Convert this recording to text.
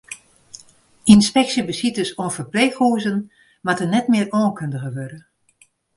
Ynspeksjebesites oan ferpleechhûzen moatte net mear oankundige wurde.